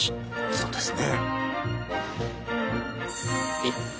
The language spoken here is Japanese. そうですね。